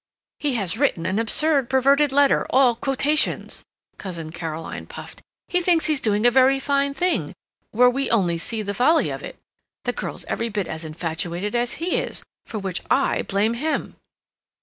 "He has written an absurd perverted letter, all quotations," Cousin Caroline puffed. "He thinks he's doing a very fine thing, where we only see the folly of it.... The girl's every bit as infatuated as he is—for which I blame him."